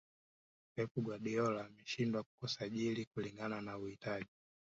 pep guardiola ameshindwa kusajili kulingana na uhitaji